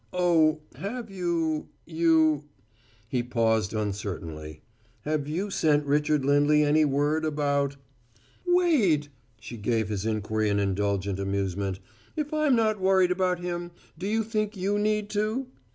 "Oh, have you you " He paused uncertainly. "Have you sent Richard Lindley any word about " "Wade!" She gave his inquiry an indulgent amusement. "If I'm not worrying about him, do you think you need to?"